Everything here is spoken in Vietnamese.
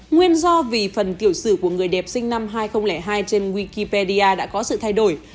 nguyên do vì phần tiểu sử của người đẹp sinh năm hai nghìn hai trên wikipedia đã có sự thay đổi